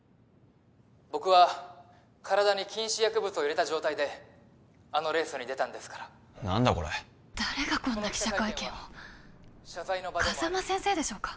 僕は体に禁止薬物を入れた状態であのレースに出たんですから何だこれ誰がこんな記者会見をこの記者会見は謝罪の場でもあり風間先生でしょうか